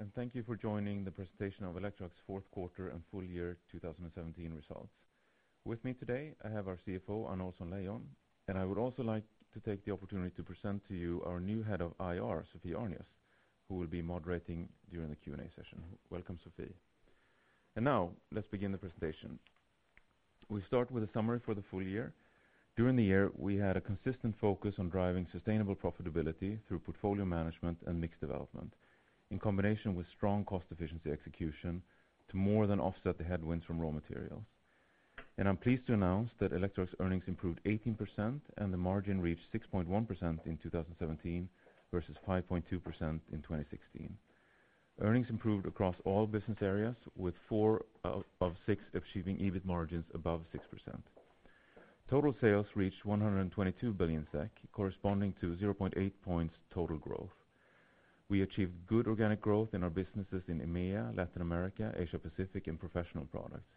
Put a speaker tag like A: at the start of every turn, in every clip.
A: Good morning, thank you for joining the presentation of Electrolux Q4 and full year 2017 results. With me today, I have our CFO, Anna Ohlsson-Leijon, and I would also like to take the opportunity to present to you our new head of IR, Sophie Arnius, who will be moderating during the Q&A session. Welcome, Sophie. Now let's begin the presentation. We start with a summary for the full year. During the year, we had a consistent focus on driving sustainable profitability through portfolio management and mixed development, in combination with strong cost efficiency execution to more than offset the headwinds from raw materials. I'm pleased to announce that Electrolux earnings improved 18%, and the margin reached 6.1% in 2017 versus 5.2% in 2016. Earnings improved across all business areas, with 4 of 6 achieving EBIT margins above 6%. Total sales reached 122 billion SEK, corresponding to 0.8 points total growth. We achieved good organic growth in our businesses in EMEA, Latin America, Asia Pacific, and professional products.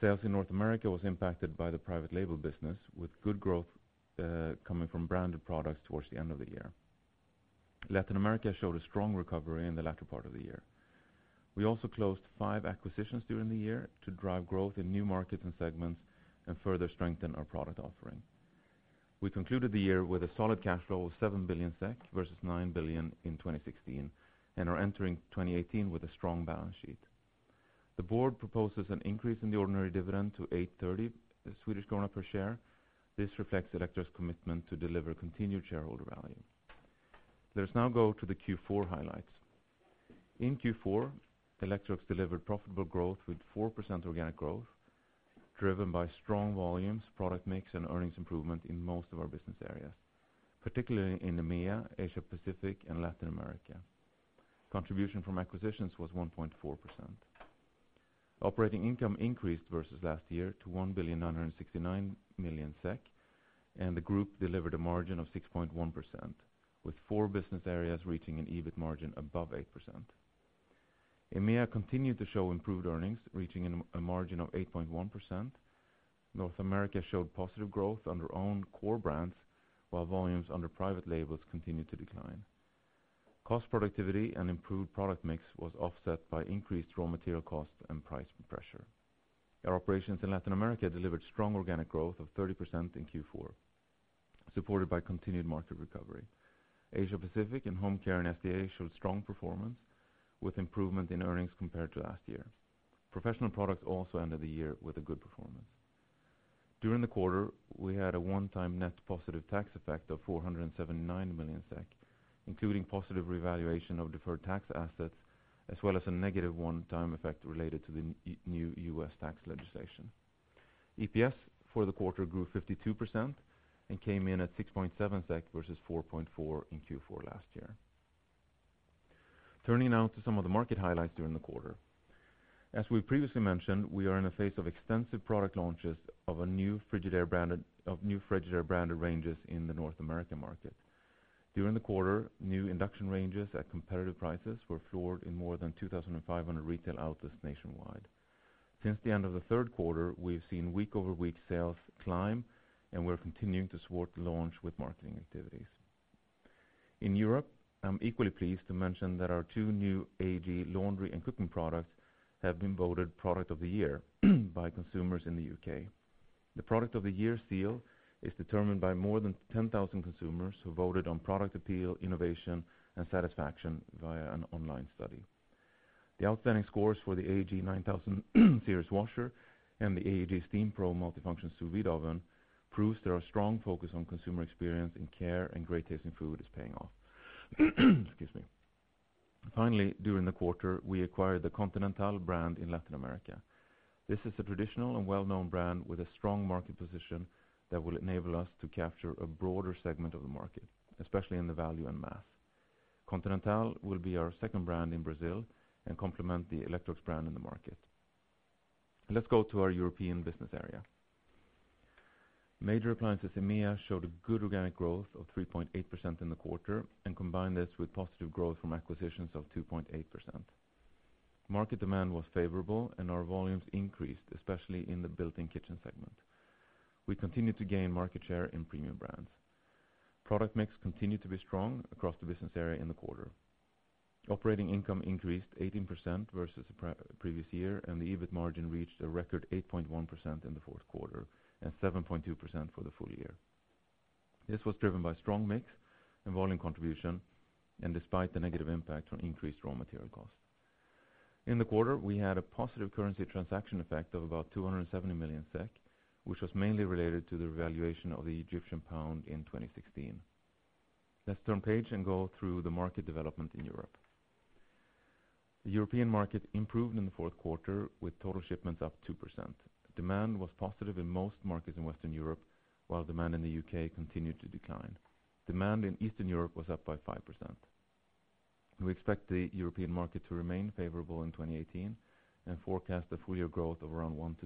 A: Sales in North America was impacted by the private label business, with good growth coming from branded products towards the end of the year. Latin America showed a strong recovery in the latter part of the year. We also closed 5 acquisitions during the year to drive growth in new markets and segments and further strengthen our product offering. We concluded the year with a solid cash flow of 7 billion SEK versus 9 billion in 2016, and are entering 2018 with a strong balance sheet. The board proposes an increase in the ordinary dividend to 8.30 Swedish krona per share. This reflects Electrolux's commitment to deliver continued shareholder value. Let's now go to the Q4 highlights. In Q4, Electrolux delivered profitable growth with 4% organic growth, driven by strong volumes, product mix, and earnings improvement in most of our business areas, particularly in EMEA, Asia Pacific, and Latin America. Contribution from acquisitions was 1.4%. Operating income increased versus last year to 1,969 million SEK, the group delivered a margin of 6.1%, with 4 business areas reaching an EBIT margin above 8%. EMEA continued to show improved earnings, reaching a margin of 8.1%. North America showed positive growth under own core brands, while volumes under private labels continued to decline. Cost productivity and improved product mix was offset by increased raw material costs and price pressure. Our operations in Latin America delivered strong organic growth of 30% in Q4, supported by continued market recovery. Asia Pacific and Home Care and SDA showed strong performance with improvement in earnings compared to last year. Professional products also ended the year with a good performance. During the quarter, we had a one-time net positive tax effect of 479 million SEK, including positive revaluation of deferred tax assets, as well as a negative one-time effect related to the new US tax legislation. EPS for the quarter grew 52% and came in at 6.7 SEK versus 4.4 in Q4 last year. Turning now to some of the market highlights during the quarter. As we previously mentioned, we are in a phase of extensive product launches of new Frigidaire branded ranges in the North American market. During the quarter, new induction ranges at competitive prices were floored in more than 2,500 retail outlets nationwide. Since the end of the Q3, we've seen week-over-week sales climb, and we're continuing to support the launch with marketing activities. In Europe, I'm equally pleased to mention that our 2 new AEG laundry and cooking products have been voted Product of the Year by consumers in the U.K. The Product of the Year seal is determined by more than 10,000 consumers who voted on product appeal, innovation, and satisfaction via an online study. The outstanding scores for the AEG 9000 Series washer and the AEG SteamPro multifunction sous-vide oven proves that our strong focus on consumer experience and care and great-tasting food is paying off. Excuse me. Finally, during the quarter, we acquired the Continental brand in Latin America. This is a traditional and well-known brand with a strong market position that will enable us to capture a broader segment of the market, especially in the value and mass. Continental will be our 2nd brand in Brazil and complement the Electrolux brand in the market. Let's go to our European business area. Major appliances EMEA showed a good organic growth of 3.8% in the quarter, and combined this with positive growth from acquisitions of 2.8%. Market demand was favorable, and our volumes increased, especially in the built-in kitchen segment. We continued to gain market share in premium brands. Product mix continued to be strong across the business area in the quarter. Operating income increased 18% versus the previous year. The EBIT margin reached a record 8.1% in the Q4 and 7.2% for the full year. This was driven by strong mix and volume contribution. Despite the negative impact on increased raw material costs. In the quarter, we had a positive currency transaction effect of about 270 million SEK, which was mainly related to the revaluation of the Egyptian pound in 2016. Let's turn page and go through the market development in Europe. The European market improved in the Q4 with total shipments up 2%. Demand was positive in most markets in Western Europe, while demand in the U.K. continued to decline. Demand in Eastern Europe was up by 5%. We expect the European market to remain favorable in 2018 and forecast a full year growth of around 1%-2%.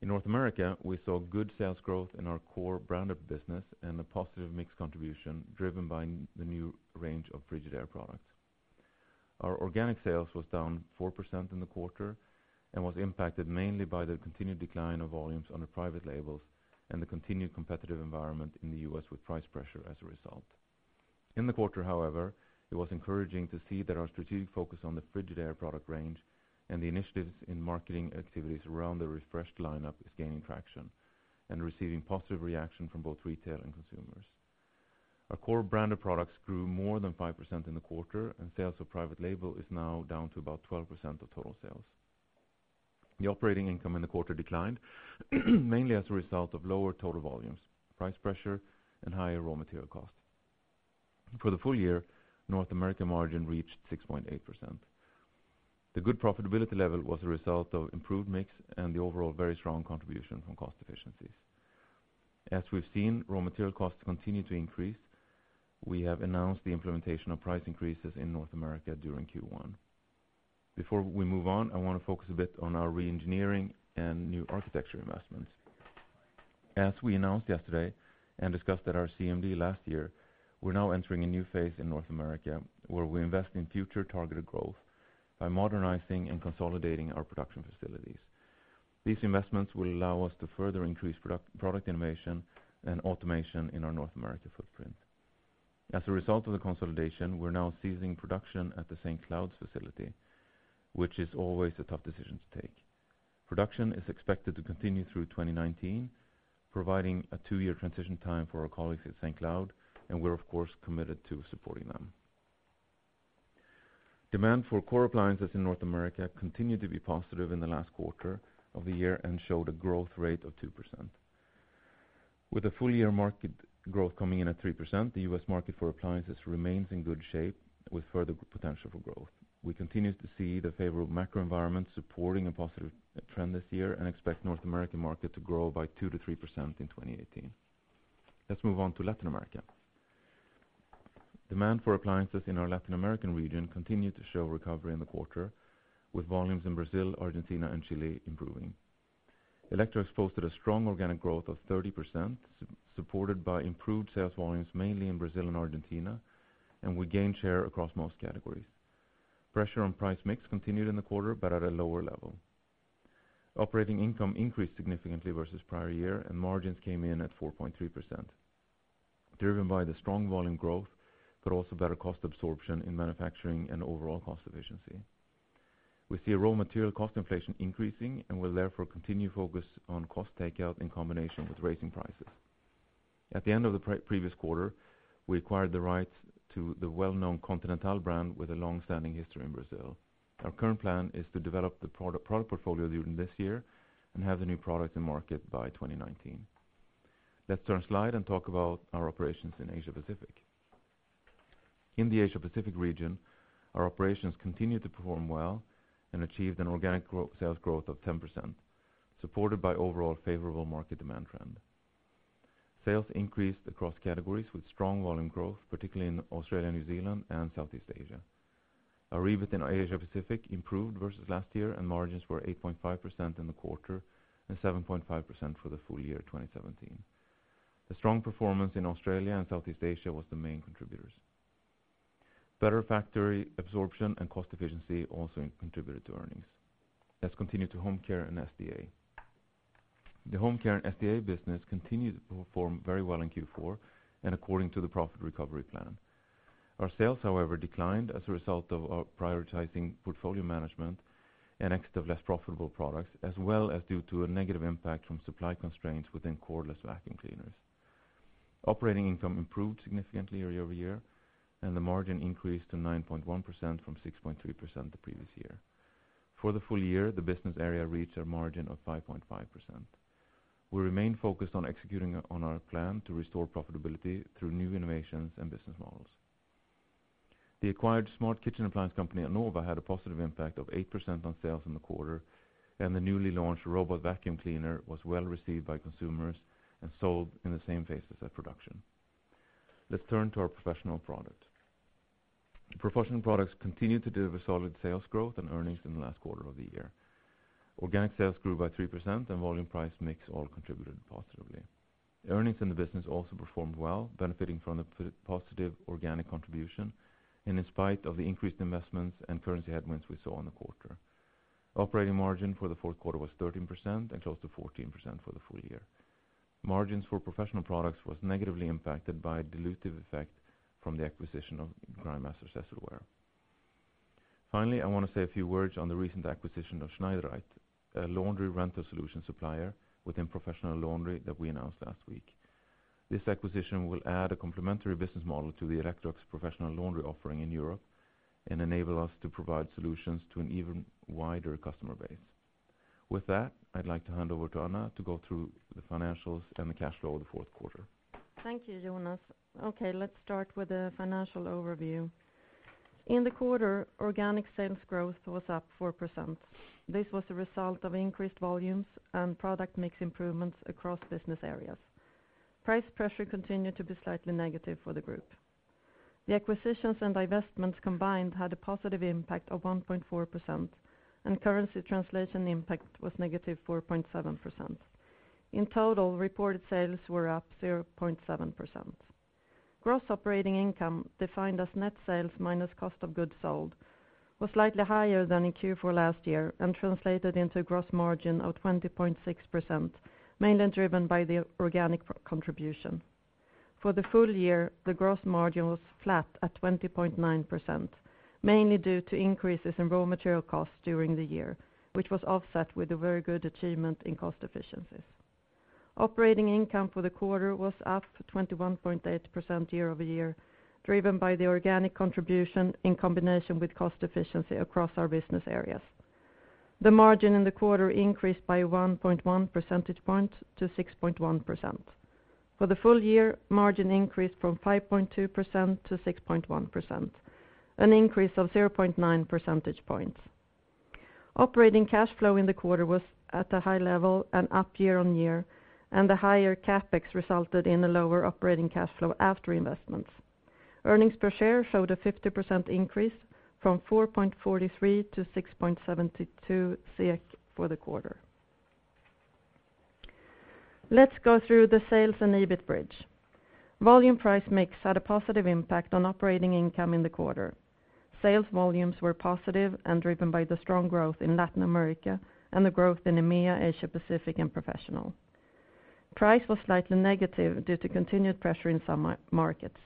A: In North America, we saw good sales growth in our core branded business and a positive mix contribution driven by the new range of Frigidaire products. Our organic sales was down 4% in the quarter, was impacted mainly by the continued decline of volumes on the private labels and the continued competitive environment in the US, with price pressure as a result. In the quarter, however, it was encouraging to see that our strategic focus on the Frigidaire product range and the initiatives in marketing activities around the refreshed lineup is gaining traction and receiving positive reaction from both retail and consumers. Our core brand of products grew more than 5% in the quarter, and sales of private label is now down to about 12% of total sales. The operating income in the quarter declined, mainly as a result of lower total volumes, price pressure, and higher raw material costs. For the full year, North America margin reached 6.8%. The good profitability level was a result of improved mix and the overall very strong contribution from cost efficiencies. As we've seen, raw material costs continue to increase. We have announced the implementation of price increases in North America during Q1. Before we move on, I want to focus a bit on our re-engineering and new architecture investments. As we announced yesterday, and discussed at our CMD last year, we're now entering a new phase in North America, where we invest in future targeted growth by modernizing and consolidating our production facilities. These investments will allow us to further increase product innovation and automation in our North America footprint. As a result of the consolidation, we're now ceasing production at the St. Cloud's facility, which is always a tough decision to take. Production is expected to continue through 2019, providing a 2-year transition time for our colleagues at St. Cloud, and we're, of course, committed to supporting them. Demand for core appliances in North America continued to be positive in the last quarter of the year and showed a growth rate of 2%. With a full-year market growth coming in at 3%, the U.S. market for appliances remains in good shape, with further potential for growth. We continue to see the favorable macro environment supporting a positive trend this year, expect North American market to grow by 2%-3% in 2018. Let's move on to Latin America. Demand for appliances in our Latin American region continued to show recovery in the quarter, with volumes in Brazil, Argentina, and Chile improving. Electrolux exposed a strong organic growth of 30%, supported by improved sales volumes, mainly in Brazil and Argentina, and we gained share across most categories. Pressure on price mix continued in the quarter, at a lower level. Operating income increased significantly versus prior year. Margins came in at 4.3%, driven by the strong volume growth, also better cost absorption in manufacturing and overall cost efficiency. We see a raw material cost inflation increasing, will therefore continue focus on cost takeout in combination with raising prices. At the end of the previous quarter, we acquired the rights to the well-known Continental brand with a long-standing history in Brazil. Our current plan is to develop the product portfolio during this year, have the new product in market by 2019. Let's turn slide and talk about our operations in Asia Pacific. In the Asia Pacific region, our operations continued to perform well, achieved an organic sales growth of 10%, supported by overall favorable market demand trend. Sales increased across categories with strong volume growth, particularly in Australia, New Zealand, and Southeast Asia. Our EBIT in Asia Pacific improved versus last year, and margins were 8.5% in the quarter and 7.5% for the full year 2017. The strong performance in Australia and Southeast Asia was the main contributors. Better factory absorption and cost efficiency also contributed to earnings. Let's continue to Home Care and SDA. The Home Care and SDA business continued to perform very well in Q4 and according to the profit recovery plan. Our sales, however, declined as a result of our prioritizing portfolio management and exit of less profitable products, as well as due to a negative impact from supply constraints within cordless vacuum cleaners. Operating income improved significantly year-over-year, and the margin increased to 9.1% from 6.3% the previous year. For the full year, the business area reached a margin of 5.5%. We remain focused on executing on our plan to restore profitability through new innovations and business models. The acquired smart kitchen appliance company, Anova, had a positive impact of 8% on sales in the quarter, and the newly launched robot vacuum cleaner was well received by consumers and sold in the same pace as their production. Let's turn to our professional product. Professional products continued to deliver solid sales growth and earnings in the last quarter of the year. Organic sales grew by 3%, and volume price mix all contributed positively. Earnings in the business also performed well, benefiting from the positive organic contribution, in spite of the increased investments and currency headwinds we saw in the quarter. Operating margin for the Q4 was 13% and close to 14% for the full year. Margins for Professional Products was negatively impacted by a dilutive effect from the acquisition of Grindmaster-Cecilware. I want to say a few words on the recent acquisition of Schneidereit, a laundry rental solution supplier within Professional Laundry that we announced last week. This acquisition will add a complementary business model to the Electrolux Professional Laundry offering in Europe and enable us to provide solutions to an even wider customer base. With that, I'd like to hand over to Anna to go through the financials and the cash flow of the Q4.
B: Thank you, Jonas. Okay, let's start with the financial overview. In the quarter, organic sales growth was up 4%. This was a result of increased volumes and product mix improvements across business areas. Price pressure continued to be slightly negative for the group. The acquisitions and divestments combined had a positive impact of 1.4%, and currency translation impact was negative 4.7%. In total, reported sales were up 0.7%. Gross operating income, defined as net sales minus cost of goods sold, was slightly higher than in Q4 last year and translated into a gross margin of 20.6%, mainly driven by the organic pro- contribution. For the full year, the gross margin was flat at 20.9%, mainly due to increases in raw material costs during the year, which was offset with a very good achievement in cost efficiencies. Operating income for the quarter was up 21.8% year-over-year, driven by the organic contribution in combination with cost efficiency across our business areas. The margin in the quarter increased by 1.1 percentage points to 6.1%. For the full year, margin increased from 5.2% to 6.1%, an increase of 0.9 percentage points. Operating cash flow in the quarter was at a high level and up year-on-year. The higher CapEx resulted in a lower operating cash flow after investments. Earnings per share showed a 50% increase from 4.43 to 6.72 SEK for the quarter. Let's go through the sales and EBIT bridge. Volume price mix had a positive impact on operating income in the quarter. Driven by the strong growth in Latin America and the growth in EMEA, Asia Pacific, and Professional. Price was slightly negative due to continued pressure in some markets.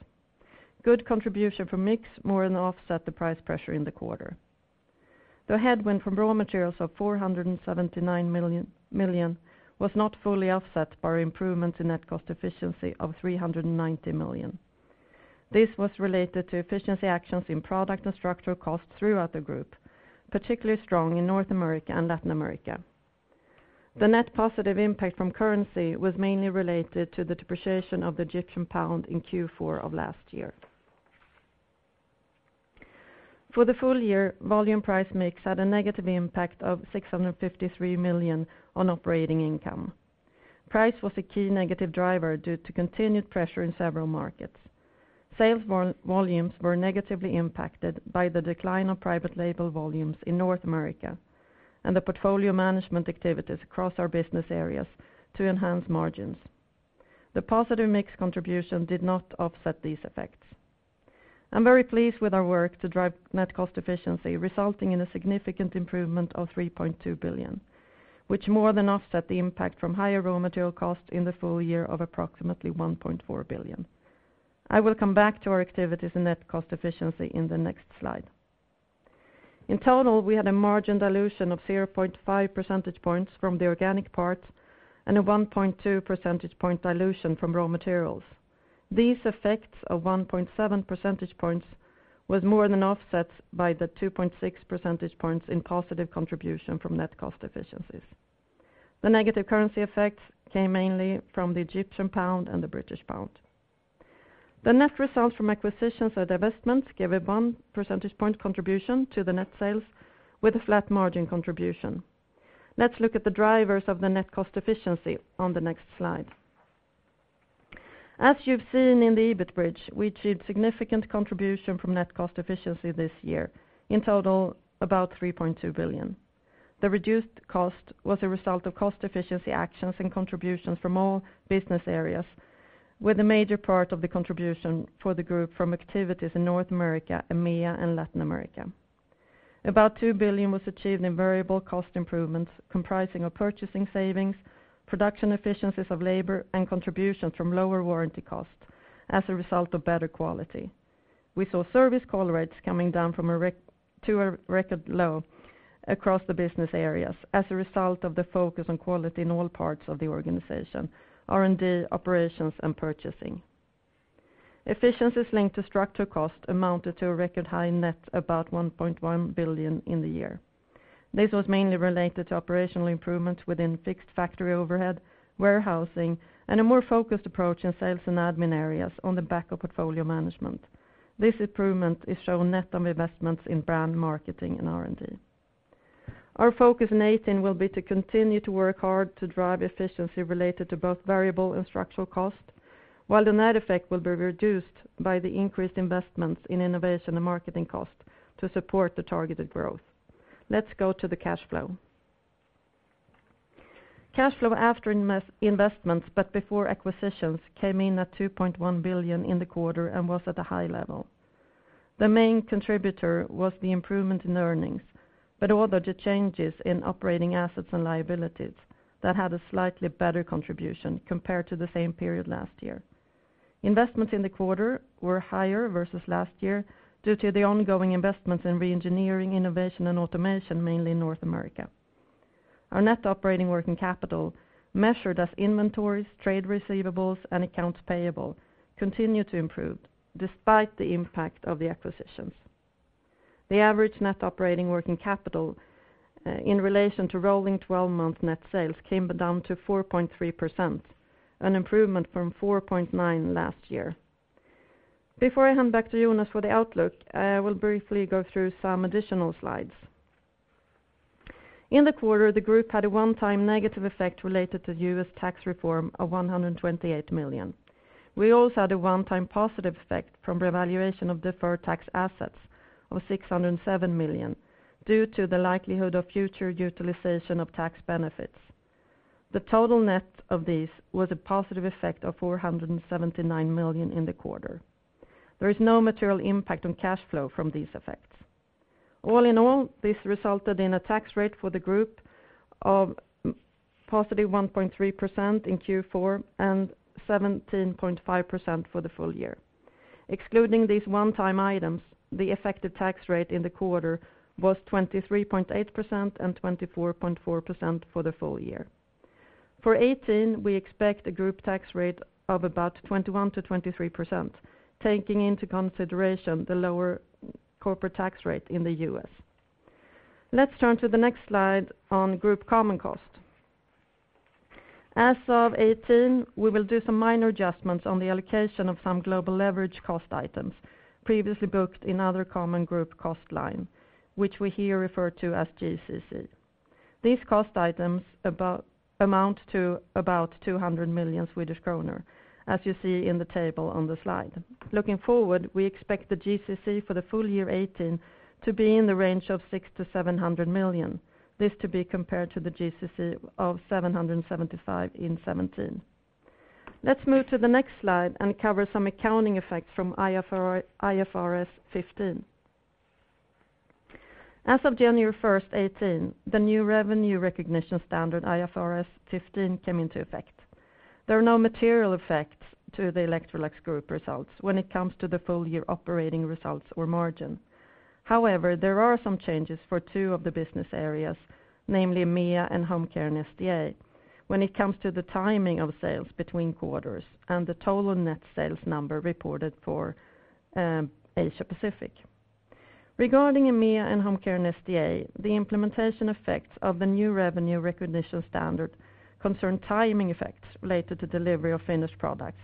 B: Good contribution from mix more than offset the price pressure in the quarter. The headwind from raw materials of 479 million was not fully offset by our improvement in net cost efficiency of 390 million. This was related to efficiency actions in product and structural costs throughout the group, particularly strong in North America and Latin America. The net positive impact from currency was mainly related to the depreciation of the Egyptian pound in Q4 of last year. For the full year, volume price mix had a negative impact of 653 million on operating income. Price was a key negative driver due to continued pressure in several markets. Sales volumes were negatively impacted by the decline of private label volumes in North America, and the portfolio management activities across our business areas to enhance margins. The positive mix contribution did not offset these effects. I'm very pleased with our work to drive net cost efficiency, resulting in a significant improvement of 3.2 billion, which more than offset the impact from higher raw material costs in the full year of approximately 1.4 billion. I will come back to our activities in net cost efficiency in the next slide. In total, we had a margin dilution of 0.5 percentage points from the organic part, and a 1.2 percentage point dilution from raw materials. These effects of 1.7 percentage points was more than offset by the 2.6 percentage points in positive contribution from net cost efficiencies. The negative currency effects came mainly from the Egyptian pound and the British pound. The net results from acquisitions and divestments gave a 1 percentage point contribution to the net sales with a flat margin contribution. Let's look at the drivers of the net cost efficiency on the next slide. As you've seen in the EBIT bridge, we achieved significant contribution from net cost efficiency this year, in total, about 3.2 billion. The reduced cost was a result of cost efficiency actions and contributions from all business areas, with a major part of the contribution for the group from activities in North America, EMEA, and Latin America. About 2 billion was achieved in variable cost improvements, comprising of purchasing savings, production efficiencies of labor, and contributions from lower warranty costs as a result of better quality. We saw service call rates coming down to a record low across the business areas as a result of the focus on quality in all parts of the organization, R&D, operations, and purchasing. Efficiencies linked to structural cost amounted to a record high net, about 1.1 billion in the year. This was mainly related to operational improvements within fixed factory overhead, warehousing, and a more focused approach in sales and admin areas on the back of portfolio management. This improvement is shown net of investments in brand marketing and R&D. Our focus in 2018 will be to continue to work hard to drive efficiency related to both variable and structural cost, while the net effect will be reduced by the increased investments in innovation and marketing costs to support the targeted growth. Let's go to the cash flow. Cash flow after investments, before acquisitions, came in at 2.1 billion in the quarter and was at a high level. The main contributor was the improvement in earnings, also the changes in operating assets and liabilities that had a slightly better contribution compared to the same period last year. Investments in the quarter were higher versus last year, due to the ongoing investments in re-engineering, innovation, and automation, mainly in North America. Our net operating working capital, measured as inventories, trade receivables, and accounts payable, continued to improve despite the impact of the acquisitions. The average net operating working capital, in relation to rolling 12-month net sales, came down to 4.3%, an improvement from 4.9 last year. Before I hand back to Jonas for the outlook, I will briefly go through some additional slides. In the quarter, the group had a one-time negative effect related to the U.S. tax reform of 128 million. We also had a one-time positive effect from revaluation of deferred tax assets of 607 million, due to the likelihood of future utilization of tax benefits. The total net of this was a positive effect of 479 million in the quarter. There is no material impact on cash flow from these effects. All in all, this resulted in a tax rate for the group of positive 1.3% in Q4, and 17.5% for the full year. Excluding these one-time items, the effective tax rate in the quarter was 23.8% and 24.4% for the full year. For 2018, we expect a group tax rate of about 21%-23%, taking into consideration the lower corporate tax rate in the US. Let's turn to the next slide on group common cost. As of 2018, we will do some minor adjustments on the allocation of some global leverage cost items previously booked in other common group cost line, which we here refer to as GCC. These cost items amount to about 200 million Swedish kronor, as you see in the table on the slide. Looking forward, we expect the GCC for the full year 2018 to be in the range of 600 million-700 million. This to be compared to the GCC of 775 million in 2017. Let's move to the next slide and cover some accounting effects from IFRS 15. As of January 1st, 2018, the new revenue recognition standard, IFRS 15, came into effect. There are no material effects to the Electrolux group results when it comes to the full year operating results or margin. However, there are some changes for 2 of the business areas, namely EMEA and Home Care and SDA, when it comes to the timing of sales between quarters and the total net sales number reported for Asia Pacific. Regarding EMEA and Home Care and SDA, the implementation effects of the new revenue recognition standard concern timing effects related to delivery of finished products,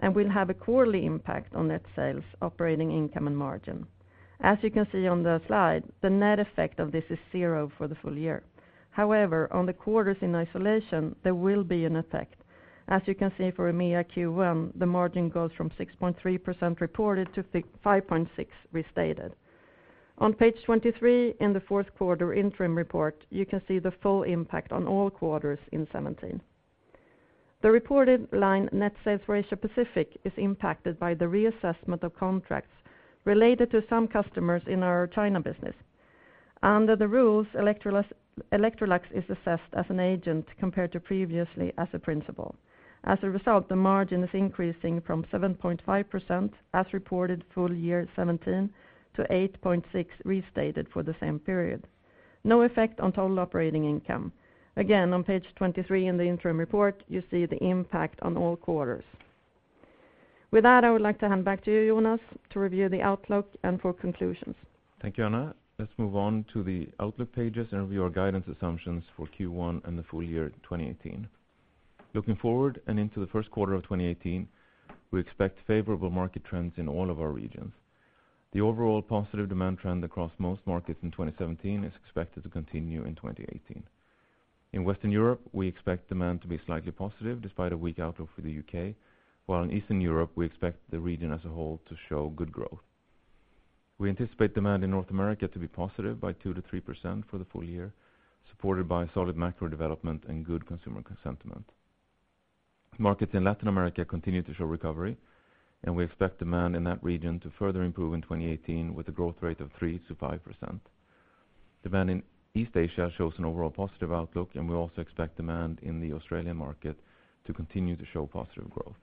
B: and will have a quarterly impact on net sales, operating income, and margin. As you can see on the slide, the net effect of this is 0 for the full year. However, on the quarters in isolation, there will be an effect. As you can see for EMEA Q1, the margin goes from 6.3% reported to 5.6% restated. On page 23 in the Q4 interim report, you can see the full impact on all quarters in 2017. The reported line, net sales for Asia Pacific, is impacted by the reassessment of contracts related to some customers in our China business. Under the rules, Electrolux is assessed as an agent, compared to previously as a principal. The margin is increasing from 7.5%, as reported full year 2017, to 8.6% restated for the same period. No effect on total operating income. On page 23 in the interim report, you see the impact on all quarters. With that, I would like to hand back to you, Jonas, to review the outlook and for conclusions.
A: Thank you, Anna. Let's move on to the outlook pages and review our guidance assumptions for Q1 and the full year 2018. Looking forward and into the Q1 of 2018, we expect favorable market trends in all of our regions. The overall positive demand trend across most markets in 2017 is expected to continue in 2018. In Western Europe, we expect demand to be slightly positive, despite a weak out of the U.K., while in Eastern Europe, we expect the region as a whole to show good growth. We anticipate demand in North America to be positive by 2%-3% for the full year, supported by solid macro development and good consumer sentiment. Markets in Latin America continue to show recovery, and we expect demand in that region to further improve in 2018, with a growth rate of 3%-5%. Demand in East Asia shows an overall positive outlook. We also expect demand in the Australian market to continue to show positive growth.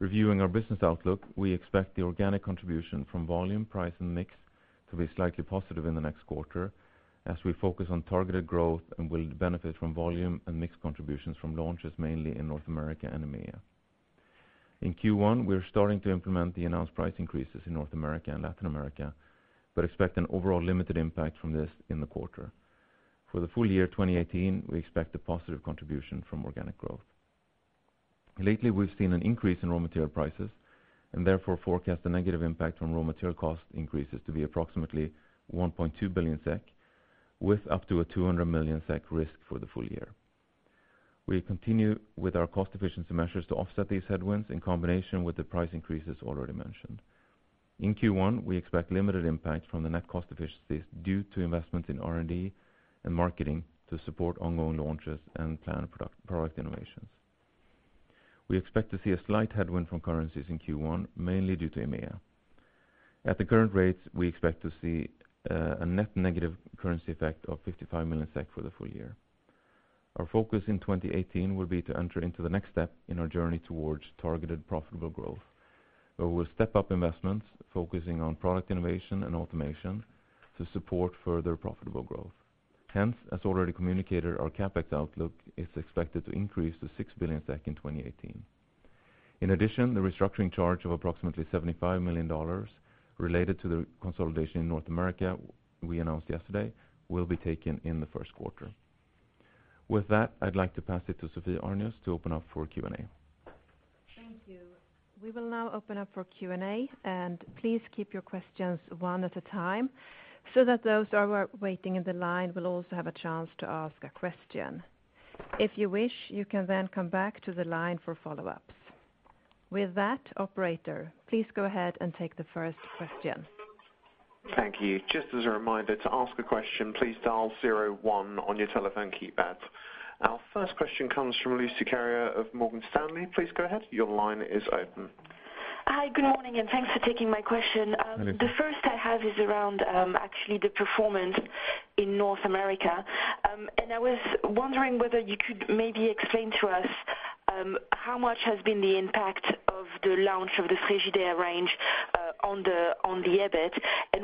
A: Reviewing our business outlook, we expect the organic contribution from volume, price, and mix to be slightly positive in the next quarter, as we focus on targeted growth and will benefit from volume and mix contributions from launches, mainly in North America and EMEA. In Q1, we're starting to implement the announced price increases in North America and Latin America. Expect an overall limited impact from this in the quarter. For the full year 2018, we expect a positive contribution from organic growth. Lately, we've seen an increase in raw material prices. Therefore forecast a negative impact on raw material cost increases to be approximately 1.2 billion SEK, with up to a 200 million SEK risk for the full year. We continue with our cost efficiency measures to offset these headwinds, in combination with the price increases already mentioned. In Q1, we expect limited impact from the net cost efficiencies, due to investments in R&D and marketing to support ongoing launches and planned product innovations. We expect to see a slight headwind from currencies in Q1, mainly due to EMEA. At the current rates, we expect to see a net negative currency effect of 55 million SEK for the full year. Our focus in 2018 will be to enter into the next step in our journey towards targeted, profitable growth. We will step up investments, focusing on product innovation and automation to support further profitable growth. Hence, as already communicated, our CapEx outlook is expected to increase to 6 billion SEK in 2018. In addition, the restructuring charge of approximately $75 million related to the consolidation in North America we announced yesterday, will be taken in the Q1. With that, I'd like to pass it to Sophie Arnius to open up for Q&A.
C: Thank you. We will now open up for Q&A. Please keep your questions 1 at a time so that those who are waiting in the line will also have a chance to ask a question. If you wish, you can then come back to the line for follow-ups. With that, operator, please go ahead and take the 1st question.
D: Thank you. Just as a reminder, to ask a question, please dial 0 1 on your telephone keypad. Our 1st question comes from Lucie Carrier of Morgan Stanley. Please go ahead. Your line is open.
E: Hi, good morning. Thanks for taking my question.
A: Hi.
E: The 1st I have is around, actually the performance in North America. I was wondering whether you could maybe explain to us, how much has been the impact of the launch of the Frigidaire range, on the, on the EBIT?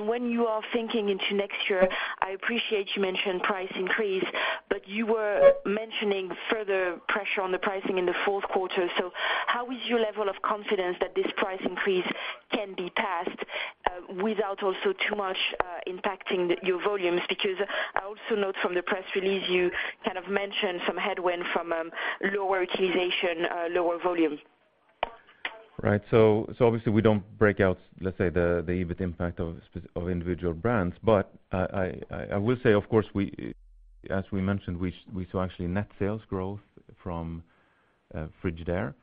E: When you are thinking into next year, I appreciate you mentioned price increase, but you were mentioning further pressure on the pricing in the Q4. How is your level of confidence that this price increase can be passed, without also too much, impacting your volumes? Because I also note from the press release, you kind of mentioned some headwind from, lower utilization, lower volume.
A: Right. Obviously we don't break out, let's say, the EBIT impact of individual brands. I will say, of course, we, as we mentioned, we saw actually net sales growth from Frigidaire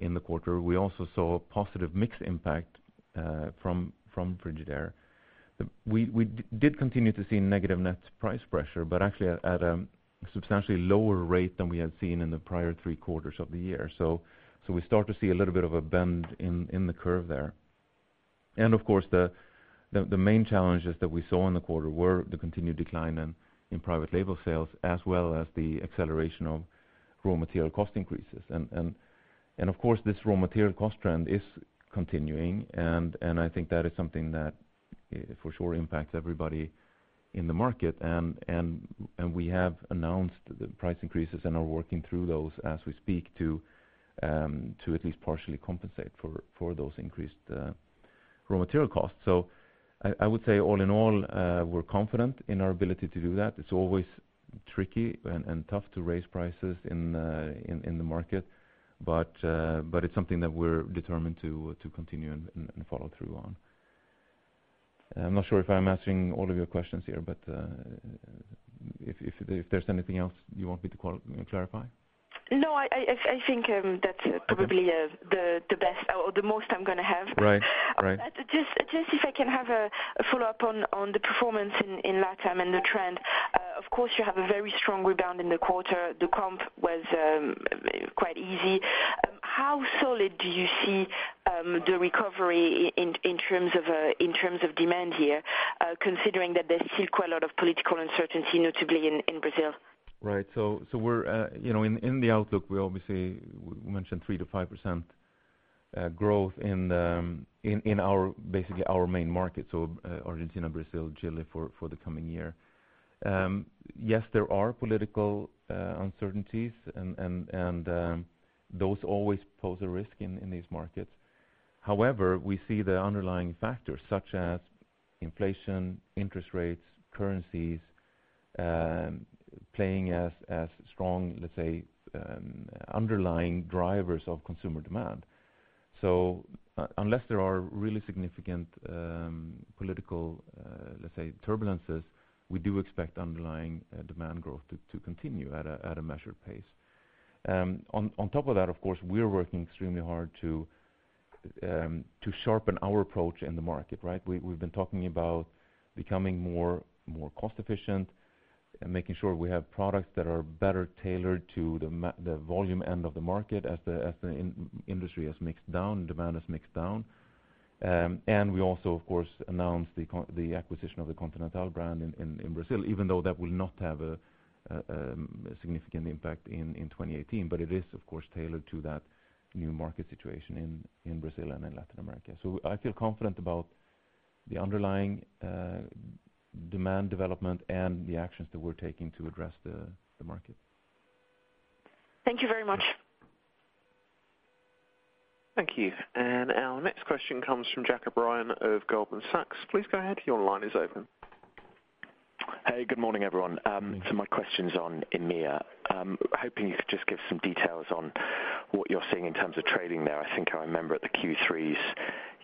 A: in the quarter. We also saw a positive mix impact from Frigidaire. We did continue to see negative net price pressure, but actually at a substantially lower rate than we had seen in the prior 3 quarters of the year. We start to see a little bit of a bend in the curve there. Of course, the main challenges that we saw in the quarter were the continued decline in private label sales, as well as the acceleration of raw material cost increases. Of course, this raw material cost trend is continuing, and I think that is something that for sure impacts everybody in the market. We have announced the price increases and are working through those as we speak to at least partially compensate for those increased raw material costs. I would say, all in all, we're confident in our ability to do that. It's always tricky and tough to raise prices in the market, but it's something that we're determined to continue and follow through on. I'm not sure if I'm answering all of your questions here, but if there's anything else you want me to clarify?
E: No, I think.
A: Okay...
E: probably, the best or the most I'm gonna have.
A: Right. Right.
E: Just if I can have a follow-up on the performance in LatAm and the trend. Of course, you have a very strong rebound in the quarter. The comp was quite easy. How solid do you see the recovery in terms of demand here, considering that there's still quite a lot of political uncertainty, notably in Brazil?
A: Right. We're, you know, in the outlook, we obviously, we mentioned 3%-5% growth in our, basically our main market, Argentina, Brazil, Chile, for the coming year. Yes, there are political uncertainties, and those always pose a risk in these markets. However, we see the underlying factors such as inflation, interest rates, currencies, playing as strong, let's say, underlying drivers of consumer demand. Unless there are really significant political, let's say, turbulences, we do expect underlying demand growth to continue at a measured pace. On top of that, of course, we're working extremely hard to sharpen our approach in the market, right? We've been talking about becoming more cost efficient and making sure we have products that are better tailored to the volume end of the market as the industry has mixed down, demand has mixed down. We also, of course, announced the acquisition of the Continental brand in Brazil, even though that will not have a significant impact in 2018. It is, of course, tailored to that new market situation in Brazil and in Latin America. I feel confident about the underlying demand development and the actions that we're taking to address the market.
E: Thank you very much.
D: Thank you. Our next question comes from Jack O'Brien of Goldman Sachs. Please go ahead. Your line is open.
F: Hey, good morning, everyone. My question's on EMEA. Hoping you could just give some details on what you're seeing in terms of trading there. I think I remember at the Q3s,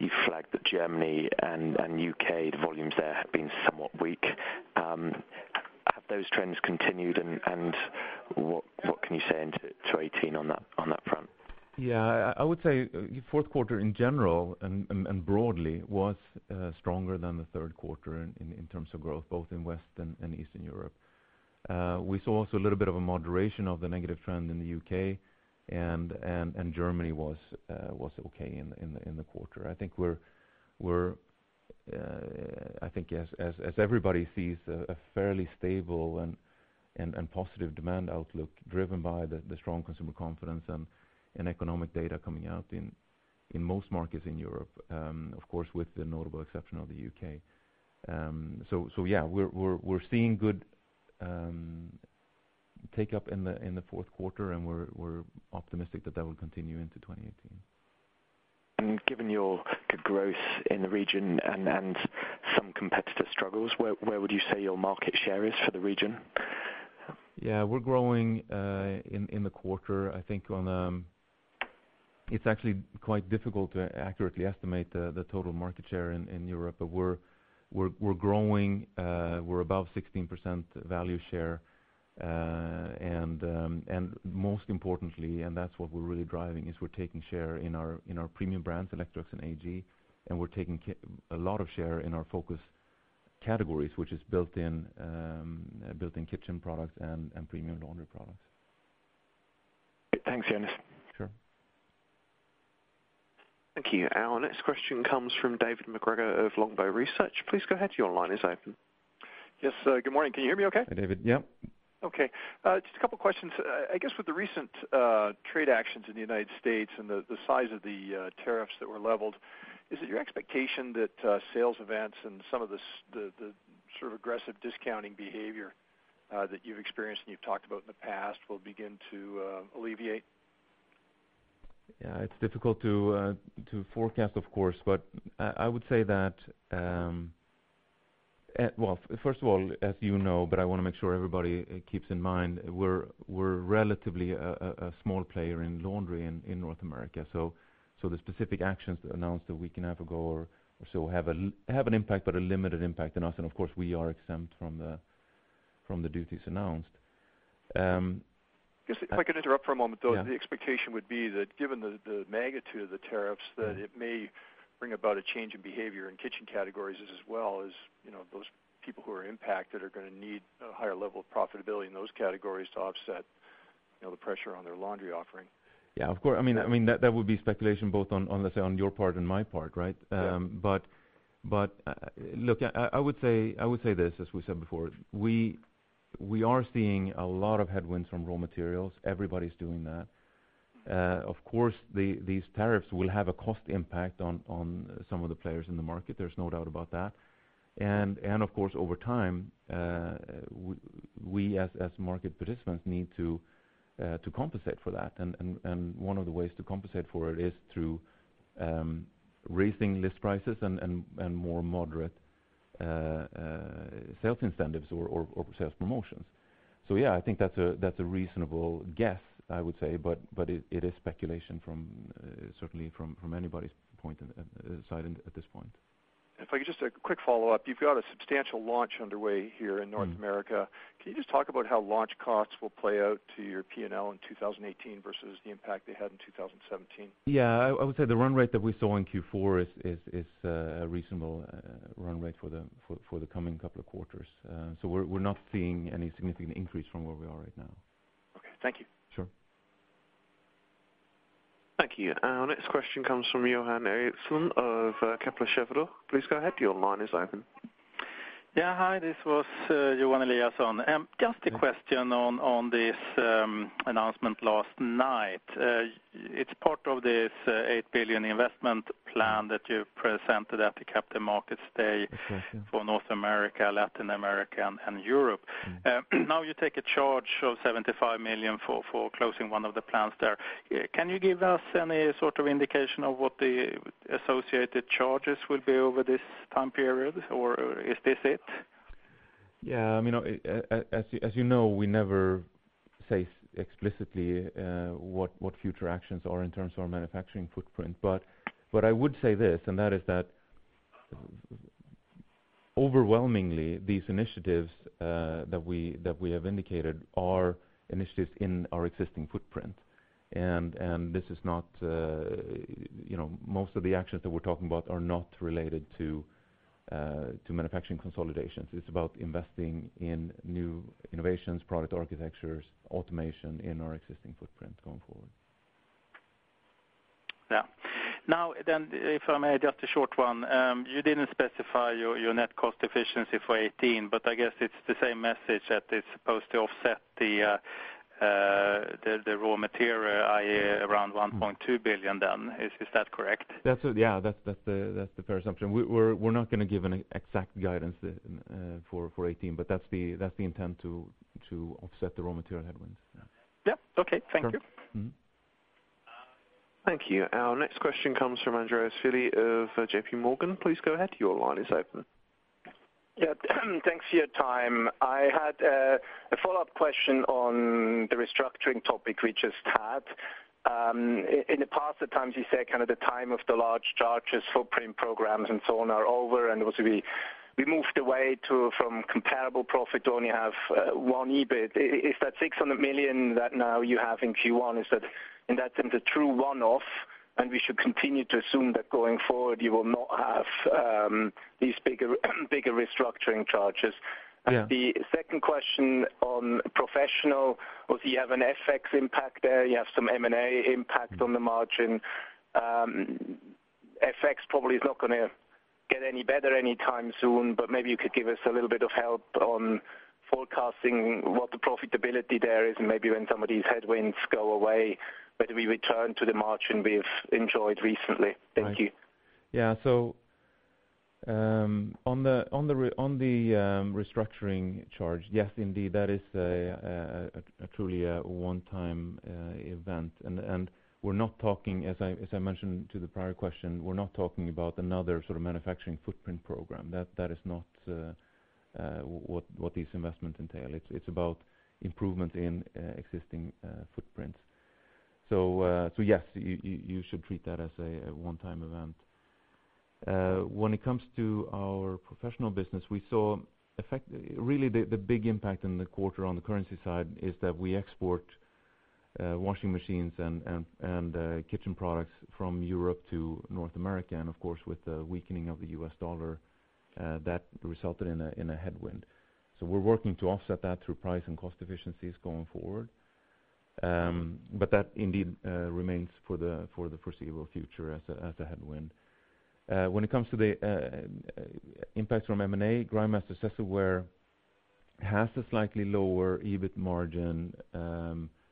F: you flagged that Germany and UK, the volumes there have been somewhat weak. Have those trends continued, and what can you say into 2018 on that front?
A: I would say, Q4 in general and broadly was stronger than the Q3 in terms of growth, both in West and Eastern Europe. We saw also a little bit of a moderation of the negative trend in the UK, and Germany was okay in the quarter. I think as everybody sees a fairly stable and positive demand outlook, driven by the strong consumer confidence and economic data coming out in most markets in Europe, of course, with the notable exception of the UK. Yeah, we're seeing good take up in the Q4, and we're optimistic that that will continue into 2018.
F: Given your good growth in the region and some competitive struggles, where would you say your market share is for the region?
A: Yeah, we're growing, in the quarter. I think on, it's actually quite difficult to accurately estimate the total market share in Europe, but we're growing. We're above 16% value share. Most importantly, and that's what we're really driving, is we're taking share in our premium brands, Electrolux and AEG, and we're taking a lot of share in our focus categories, which is built-in kitchen products and premium laundry products.
F: Thanks, Jonas.
A: Sure.
D: Thank you. Our next question comes from David MacGregor of Longbow Research. Please go ahead, your line is open.
G: Yes, good morning. Can you hear me okay?
A: Hi, David. Yeah.
G: Okay. Just a couple questions. I guess with the recent trade actions in the United States and the size of the tariffs that were leveled, is it your expectation that sales events and some of the sort of aggressive discounting behavior that you've experienced and you've talked about in the past will begin to alleviate?
A: Yeah, it's difficult to to forecast, of course, but I would say that well, first of all, as you know, but I want to make sure everybody keeps in mind, we're relatively a small player in laundry in North America. The specific actions that announce that we can have a go or so, have an impact, but a limited impact on us. Of course, we are exempt from the duties announced.
G: Yes, if I could interrupt for a moment, though.
A: Yeah.
G: The expectation would be that given the magnitude of the tariffs, that it may bring about a change in behavior in kitchen categories as well as, you know, those people who are impacted are gonna need a higher level of profitability in those categories to offset, you know, the pressure on their laundry offering.
A: Yeah, of course. I mean, that would be speculation both on, let's say, on your part and my part, right?
G: Yeah.
A: Look, I would say this, as we said before, we are seeing a lot of headwinds from raw materials. Everybody's doing that. Of course, these tariffs will have a cost impact on some of the players in the market, there's no doubt about that. Of course, over time, we, as market participants, need to compensate for that. One of the ways to compensate for it is through raising list prices and more moderate sales incentives or sales promotions. Yeah, I think that's a reasonable guess, I would say, but it is speculation from certainly from anybody's point in side at this point.
G: If I could just a quick follow-up. You've got a substantial launch underway here in North America.
A: Mm-hmm.
G: Can you just talk about how launch costs will play out to your P&L in 2018 versus the impact they had in 2017?
A: Yeah. I would say the run rate that we saw in Q4 is a reasonable run rate for the coming couple of quarters. We're not seeing any significant increase from where we are right now.
G: Okay. Thank you.
A: Sure.
D: Thank you. Our next question comes from Johan Eriksson of Kepler Cheuvreux. Please go ahead, your line is open.
H: Yeah, hi, this was Johan Eriksson. Just a question on this announcement last night. It's part of this 8 billion investment plan that you've presented at the Capital Markets Day.
A: Mm-hmm
H: -for North America, Latin America, and Europe.
A: Mm-hmm.
H: You take a charge of $75 million for closing one of the plants there. Can you give us any sort of indication of what the associated charges will be over this time period, or is this it?
A: Yeah, I mean, as you know, we never say explicitly, what future actions are in terms of our manufacturing footprint. I would say this, and that is that overwhelmingly, these initiatives, that we have indicated are initiatives in our existing footprint. This is not. You know, most of the actions that we're talking about are not related to manufacturing consolidations. It's about investing in new innovations, product architectures, automation in our existing footprint going forward.
H: Yeah. If I may, just a short one. You didn't specify your net cost efficiency for 2018, I guess it's the same message that it's supposed to offset the raw material, i.e., around 1.2 billion. Is that correct?
A: That's it, yeah. That's the fair assumption. We're not gonna give an exact guidance for 18, but that's the intent to offset the raw material headwinds. Yeah.
H: Okay, thank you.
A: Mm-hmm.
D: Thank you. Our next question comes from Andreas Willi of JP Morgan. Please go ahead, your line is open.
I: Yeah, thanks for your time. I had a follow-up question on the restructuring topic we just had. In the past, at times, you said kind of the time of the large charges for premium programs and so on are over, and also we moved away to, from comparable profit to only have 1 EBIT. Is that 600 million that now you have in Q1, is that, in that sense, a true one-off, and we should continue to assume that going forward, you will not have these bigger restructuring charges?
A: Yeah.
I: The 2nd question on professional, was you have an FX impact there, you have some M&A impact on the margin. FX probably is not gonna get any better anytime soon, maybe you could give us a little bit of help on forecasting what the profitability there is, and maybe when some of these headwinds go away, whether we return to the margin we've enjoyed recently?
A: Right.
I: Thank you.
A: Yeah. On the restructuring charge, yes, indeed, that is a truly a one-time event. We're not talking. As I mentioned to the prior question, we're not talking about another sort of manufacturing footprint program. That is not what these investments entail. It's about improvement in existing footprints. Yes, you should treat that as a one-time event. When it comes to our professional business, we saw really, the big impact in the quarter on the currency side is that we export washing machines and kitchen products from Europe to North America. Of course, with the weakening of the U.S. dollar, that resulted in a headwind. We're working to offset that through price and cost efficiencies going forward. That indeed remains for the foreseeable future as a headwind. When it comes to the impact from M&A, Grindmaster-Cecilware has a slightly lower EBIT margin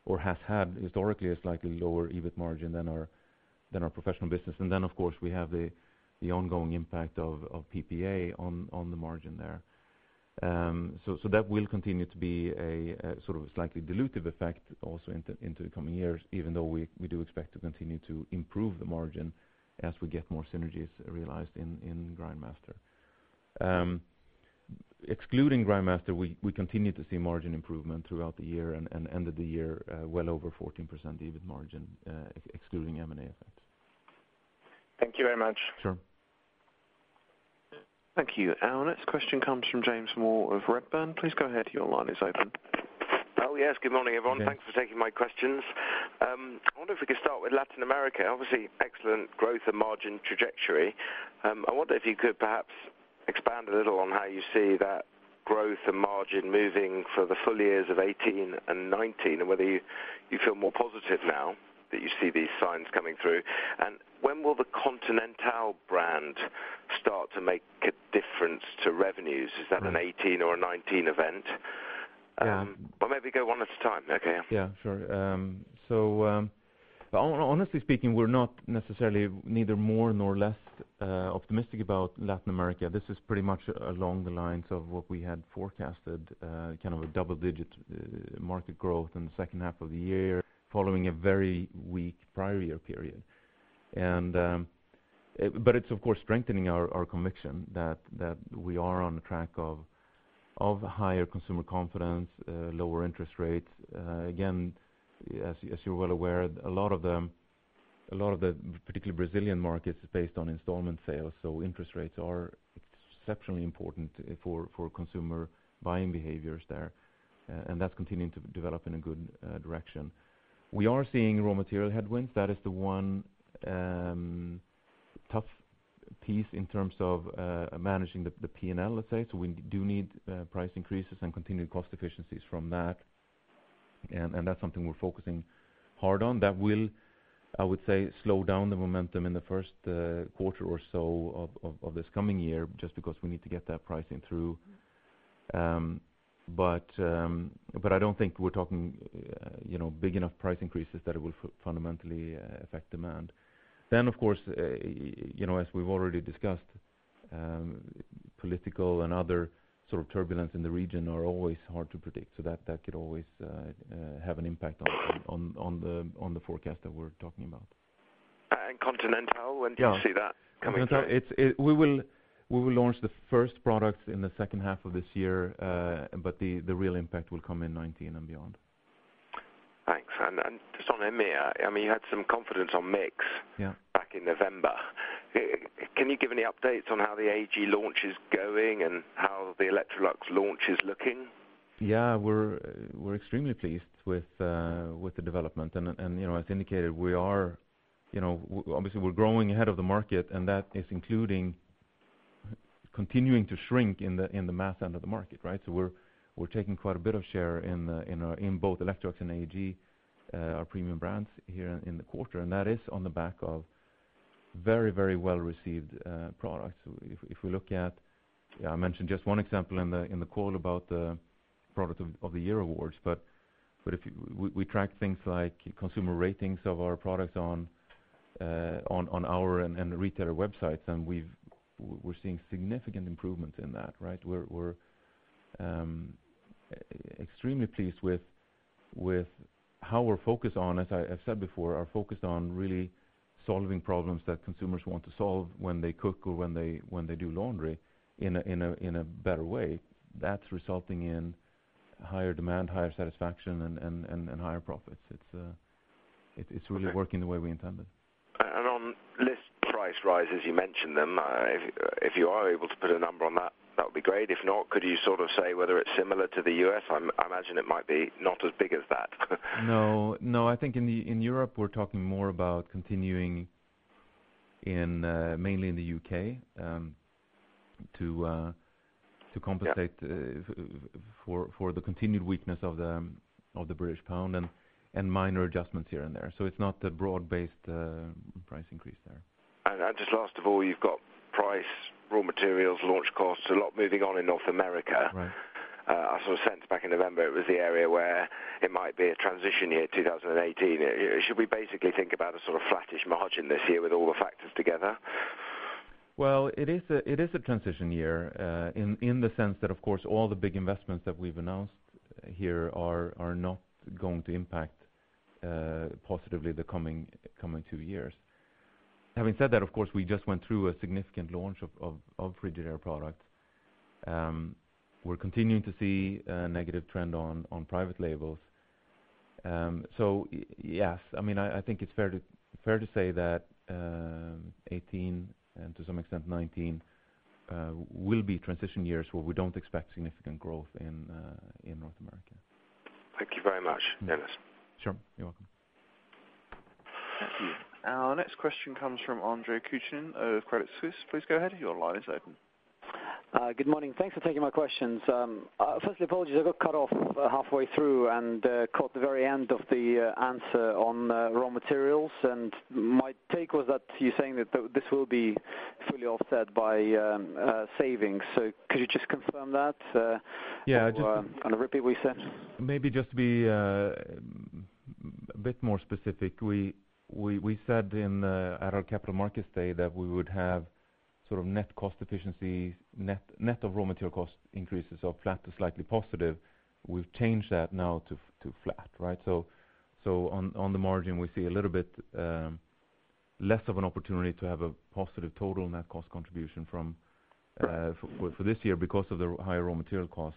A: or has had historically, a slightly lower EBIT margin than our professional business. Of course, we have the ongoing impact of PPA on the margin there. That will continue to be a sort of a slightly dilutive effect also into the coming years, even though we do expect to continue to improve the margin as we get more synergies realized in Grindmaster. Excluding Grindmaster, we continue to see margin improvement throughout the year and end of the year, well over 14% EBIT margin, excluding M&A effects.
I: Thank you very much.
A: Sure.
D: Thank you. Our next question comes from James Moore of Redburn. Please go ahead. Your line is open.
J: Oh, yes. Good morning, everyone.
A: Yeah.
J: Thanks for taking my questions. I wonder if we could start with Latin America. Obviously, excellent growth and margin trajectory. I wonder if you could perhaps expand a little on how you see that growth and margin moving for the full years of 2018 and 2019, and whether you feel more positive now that you see these signs coming through? When will the Continental brand start to make a difference to revenues?
A: Mm.
J: Is that an 2018 or a 2019 event?
A: Yeah.
J: Maybe go 1 at a time. Okay.
A: Yeah, sure. Honestly speaking, we're not necessarily neither more nor less optimistic about Latin America. This is pretty much along the lines of what we had forecasted, kind of a double-digit market growth in the H2 of the year, following a very weak prior year period. It's of course, strengthening our conviction that we are on the track of higher consumer confidence, lower interest rates. Again, as you're well aware, a lot of the particularly Brazilian markets is based on installment sales, so interest rates are exceptionally important for consumer buying behaviors there, and that's continuing to develop in a good direction. We are seeing raw material headwinds. That is the 1 tough piece in terms of managing the PNL, let's say. We do need price increases and continued cost efficiencies from that. That's something we're focusing hard on. That will, I would say, slow down the momentum in the Q1 or so of this coming year, just because we need to get that pricing through. But I don't think we're talking, you know, big enough price increases that it will fundamentally affect demand. Of course, you know, as we've already discussed, political and other sort of turbulence in the region are always hard to predict. That could always have an impact on the forecast that we're talking about.
J: Continental.
A: Yeah.
J: When do you see that coming through?
A: We will launch the 1st products in the H2 of this year. The real impact will come in 2019 and beyond.
J: Thanks. Just on EMEA, I mean, you had some confidence on.
A: Yeah...
J: back in November. Can you give any updates on how the AEG launch is going and how the Electrolux launch is looking?
A: Yeah, we're extremely pleased with the development. You know, as indicated, we are, you know, obviously, we're growing ahead of the market, and that is including continuing to shrink in the mass end of the market, right? We're taking quite a bit of share in both Electrolux and AEG, our premium brands here in the quarter, and that is on the back of very, very well-received products. If we look at... I mentioned just 1 example in the call about the Product of the Year awards, but if we track things like consumer ratings of our products on our and retailer websites, we're seeing significant improvement in that, right? We're extremely pleased with how we're focused on, as I have said before, really solving problems that consumers want to solve when they cook or when they do laundry in a better way. That's resulting in higher demand, higher satisfaction, and higher profits. It's really working the way we intended.
J: On list price rises, you mentioned them. If you are able to put a number on that would be great. If not, could you sort of say whether it's similar to the U.S.? I imagine it might be not as big as that.
A: No, no. I think in Europe, we're talking more about continuing in, mainly in the U.K., to compensate.
J: Yeah...
A: for the continued weakness of the British pound and minor adjustments here and there. It's not a broad-based price increase there.
J: Just last of all, you've got price, raw materials, launch costs, a lot moving on in North America.
A: Right.
J: I sort of sensed back in November, it was the area where it might be a transition year, 2018. Should we basically think about a sort of flattish margin this year with all the factors together?
A: Well, it is a transition year, in the sense that, of course, all the big investments that we've announced here are not going to impact positively the coming 2 years. Having said that, of course, we just went through a significant launch of Frigidaire products. We're continuing to see a negative trend on private labels. Yes, I mean, I think it's fair to say that 18 and to some extent 19 will be transition years where we don't expect significant growth in North America.
J: Thank you very much, Jonas.
A: Sure. You're welcome.
D: Thank you. Our next question comes from Andre Kukhnin of Credit Suisse. Please go ahead. Your line is open.
K: Good morning. Thanks for taking my questions. Firstly, apologies, I got cut off about halfway through, and caught the very end of the answer on raw materials. My take was that you're saying that this will be fully offset by savings. Could you just confirm that?
A: Yeah.
K: kind of repeat what you said?
A: Maybe just to be a bit more specific, we said in at our Capital Markets Day that we would have sort of net cost efficiency, net of raw material cost increases of flat to slightly positive. We've changed that now to flat, right. On the margin, we see a little bit less of an opportunity to have a positive total net cost contribution for this year because of the higher raw material cost.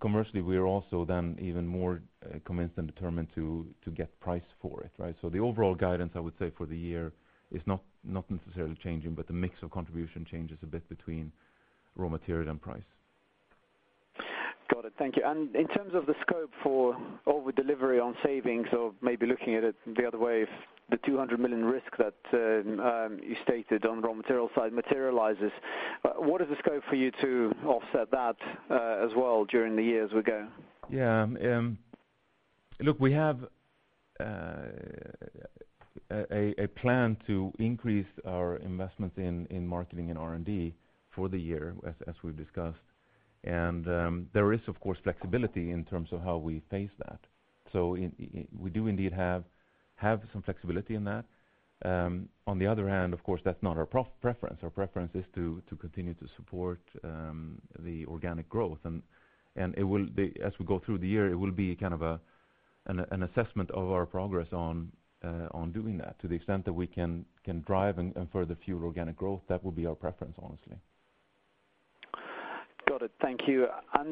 A: Commercially, we are also then even more convinced and determined to get price for it, right. The overall guidance, I would say for the year, is not necessarily changing, but the mix of contribution changes a bit between raw material and price.
K: Got it. Thank you. In terms of the scope for over-delivery on savings, or maybe looking at it the other way, if the 200 million risk that you stated on the raw material side materializes, what is the scope for you to offset that as well during the years we go?
A: Yeah. Look, we have a plan to increase our investments in marketing and R&D for the year, as we've discussed. There is, of course, flexibility in terms of how we face that. We do indeed have some flexibility in that. On the other hand, of course, that's not our preference. Our preference is to continue to support the organic growth. It will be as we go through the year, it will be kind of an assessment of our progress on doing that. To the extent that we can drive and further fuel organic growth, that would be our preference, honestly.
K: Got it. Thank you.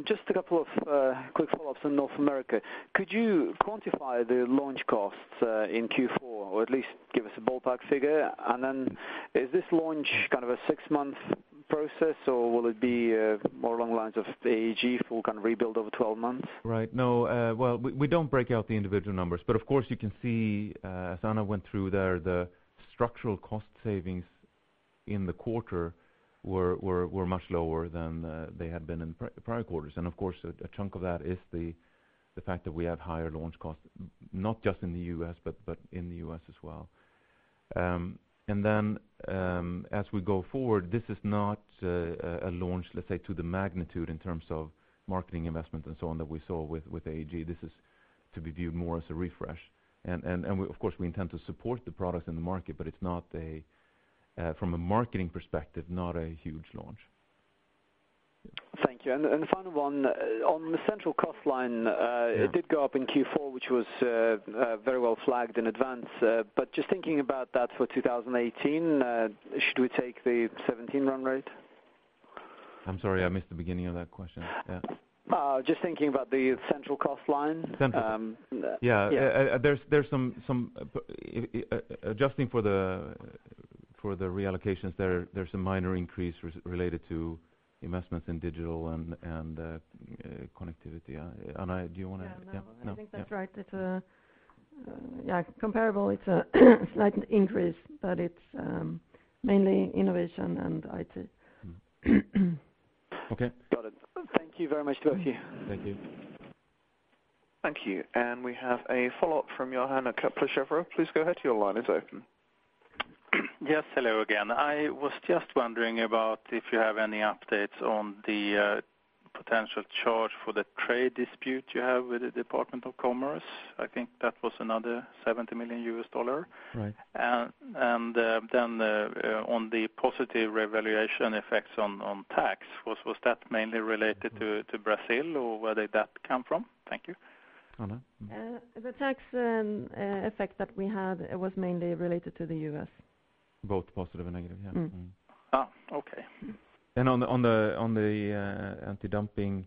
K: Just a couple of quick follow-ups on North America. Could you quantify the launch costs in Q4, or at least give us a ballpark figure? Is this launch kind of a 6-month process, or will it be more along the lines of the AEG full kind of rebuild over 12 months?
A: Right. No, well, we don't break out the individual numbers, but of course, you can see, as Anna went through there, the structural cost savings in the quarter were much lower than they had been in prior quarters. Of course, a chunk of that is the fact that we have higher launch costs, not just in the U.S., but in the U.S. as well. Then, as we go forward, this is not a launch, let's say, to the magnitude in terms of marketing investment and so on, that we saw with AEG. This is to be viewed more as a refresh. Of course, we intend to support the product in the market, but it's not a from a marketing perspective, not a huge launch.
K: Thank you. The final 1, on the central cost line, it did go up in Q4, which was very well flagged in advance. Just thinking about that for 2018, should we take the 2017 run rate?
A: I'm sorry, I missed the beginning of that question. Yeah.
K: Just thinking about the central cost line.
A: Central.
K: Yeah.
A: There's some... Adjusting for the reallocations there's a minor increase related to investments in digital and connectivity. Anna, do you want...
B: Yeah.
A: Yeah.
B: I think that's right. It's, yeah, comparable, it's a slight increase, but it's, mainly innovation and IT.
A: Okay.
K: Got it. Thank you very much to both of you.
A: Thank you.
D: Thank you. We have a follow-up from Johan from Kepler Cheuvreux. Please go ahead. Your line is open.
H: Yes, hello again. I was just wondering about if you have any updates on the potential charge for the trade dispute you have with the Department of Commerce. I think that was another $70 million.
A: Right.
H: Then, on the positive revaluation effects on tax, was that mainly related to Brazil, or where did that come from? Thank you.
A: Anna?
B: The tax effect that we had was mainly related to the U.S.
A: Both positive and negative, yeah.
B: Mm-hmm.
H: Oh, okay.
A: On the antidumping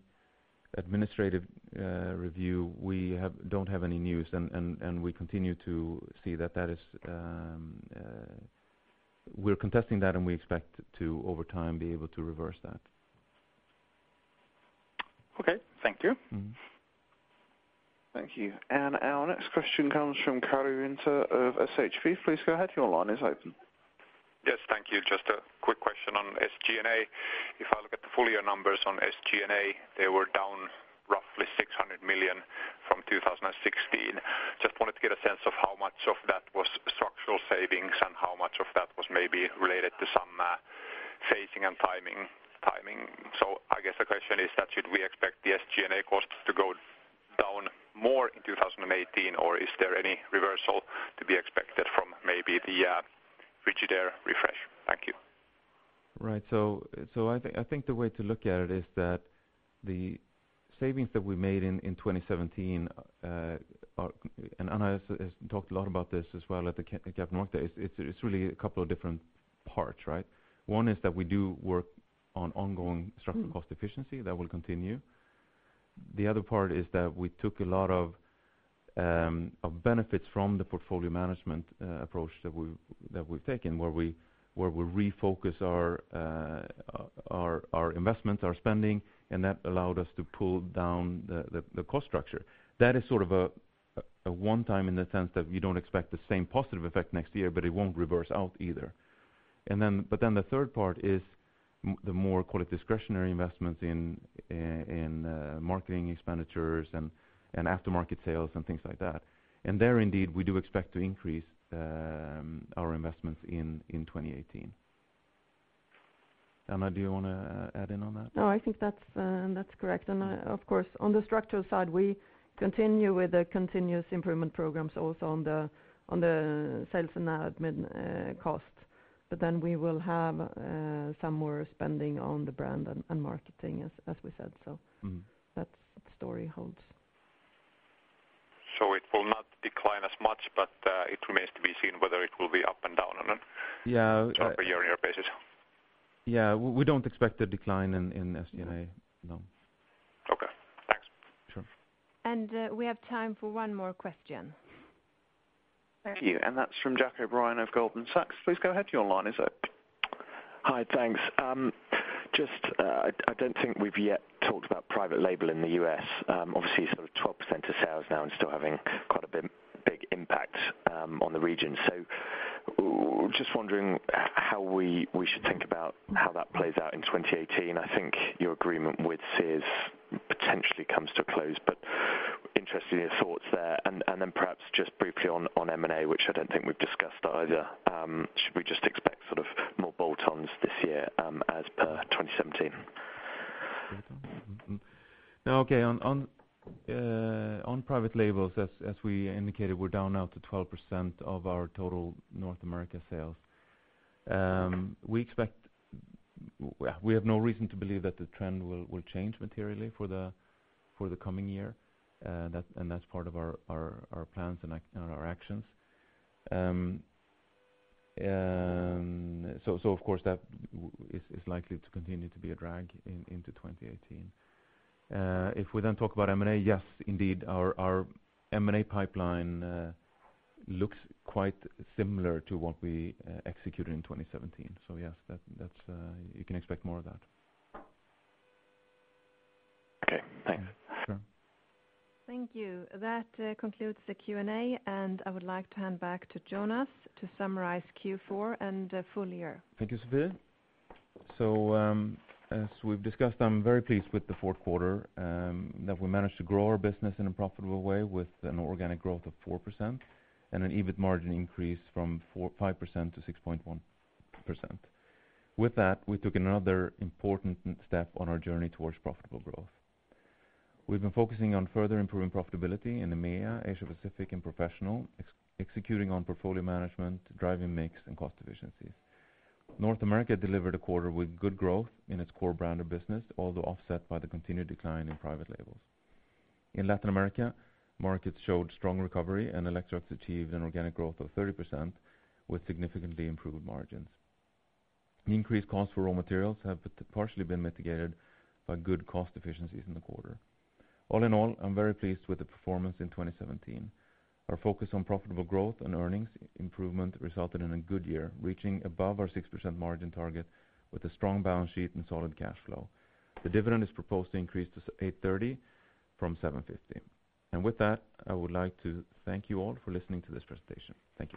A: administrative review, we don't have any news, and we continue to see that is, we're contesting that, and we expect to, over time, be able to reverse that.
H: Okay. Thank you.
A: Mm-hmm.
D: Thank you. Our next question comes from Karri Rinta of SEB. Please go ahead. Your line is open.
L: Yes, thank you. Just a quick question on SG&A. If I look at the full year numbers on SG&A, they were down roughly 600 million from 2016. Just wanted to get a sense of how much of that was structural savings and how much of that was maybe related to some phasing and timing. I guess the question is that should we expect the SG&A costs to go down more in 2018, or is there any reversal to be expected from maybe the Frigidaire refresh? Thank you.
A: Right. I think the way to look at it is that the savings that we made in 2017 and Anna has talked a lot about this as well at the Capital Market Day, it's really a couple of different parts, right? 1 is that we do work on ongoing structural cost efficiency, that will continue. The other part is that we took a lot of benefits from the portfolio management approach that we've taken, where we refocus our investments, our spending, and that allowed us to pull down the cost structure. That is sort of a one-time in the sense that we don't expect the same positive effect next year, it won't reverse out either. The 3rd part is the more, call it, discretionary investments in marketing expenditures and aftermarket sales and things like that. There, indeed, we do expect to increase our investments in 2018. Anna, do you wanna add in on that?
B: No, I think that's correct. Of course, on the structural side, we continue with the continuous improvement programs also on the sales and admin costs. We will have some more spending on the brand and marketing, as we said.
A: Mm-hmm.
B: That story holds.
L: It will not decline as much, but it remains to be seen whether it will be up and down.
A: Yeah.
L: year-on-year basis? Yeah, we don't expect a decline in SG&A, no. Okay, thanks.
A: Sure.
C: We have time for 1 more question.
D: Thank you, and that's from Jack O'Brien of Goldman Sachs. Please go ahead, your line is open.
F: Hi, thanks. I don't think we've yet talked about private label in the U.S. obviously, sort of 12% of sales now and still having quite a bit big impact on the region. Just wondering how we should think about how that plays out in 2018. I think your agreement with Sears potentially comes to a close, but interested in your thoughts there. Then perhaps just briefly on M&A, which I don't think we've discussed either. Should we just expect sort of more bolt-ons this year as per 2017?
A: No, okay, on private labels, as we indicated, we're down now to 12% of our total North America sales. We have no reason to believe that the trend will change materially for the coming year. That, and that's part of our plans and our actions. Of course, that is likely to continue to be a drag in, into 2018. If we then talk about M&A, yes, indeed, our M&A pipeline looks quite similar to what we executed in 2017. Yes, that's, you can expect more of that.
F: Okay, thanks.
A: Sure.
C: Thank you. That concludes the Q&A. I would like to hand back to Jonas to summarize Q4 and the full year.
A: Thank you, Sophia. As we've discussed, I'm very pleased with the Q4, that we managed to grow our business in a profitable way with an organic growth of 4% and an EBIT margin increase from 5% to 6.1%. With that, we took another important step on our journey towards profitable growth. We've been focusing on further improving profitability in EMEA, Asia Pacific and Professional, executing on portfolio management, driving mix and cost efficiencies. North America delivered a quarter with good growth in its core brand of business, although offset by the continued decline in private labels. In Latin America, markets showed strong recovery, and Electrolux achieved an organic growth of 30% with significantly improved margins. Increased costs for raw materials have partially been mitigated by good cost efficiencies in the quarter. All in all, I'm very pleased with the performance in 2017. Our focus on profitable growth and earnings improvement resulted in a good year, reaching above our 6% margin target with a strong balance sheet and solid cash flow. The dividend is proposed to increase to 8.30 from 7.50. With that, I would like to thank you all for listening to this presentation. Thank you.